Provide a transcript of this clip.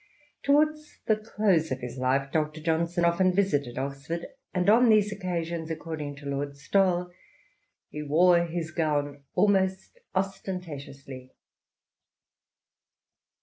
Towards the close of his life Dr. Johnson often visited Oxford, and on these occasions, according to Lord Stowell, he "wore his gown almost ostentatiously."